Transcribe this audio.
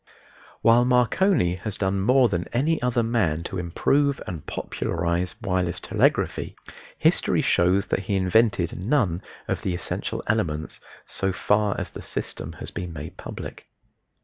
While Marconi has done more than any other man to improve and popularize wireless telegraphy, history shows that he invented none of the essential elements so far as the system has been made public.